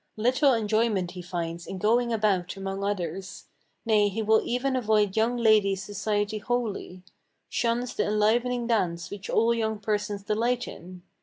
Little enjoyment he finds in going about among others; Nay, he will even avoid young ladies' society wholly; Shuns the enlivening dance which all young persons delight in."